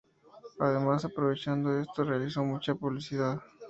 Además, aprovechando esto, realizó mucha publicidad.